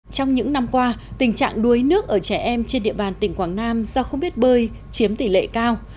trong những năm qua tình trạng đuối nước ở trẻ em trên địa bàn tỉnh quảng nam do không biết bơi chiếm tỷ lệ cao